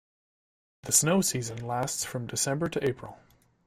The snow season lasts from December to April.